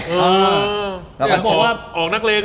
เขาบอกว่าออกนักเลง